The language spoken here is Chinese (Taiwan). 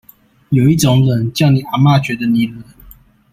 有一種冷，叫你阿嘛覺得你冷